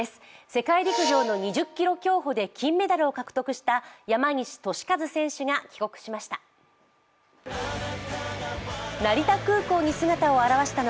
世界陸上の２０ｋｍ競歩で金メダルを獲得した山西利和選手が帰国しました。